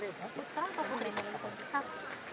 putra atau putri merenggok